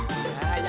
kucing gak ada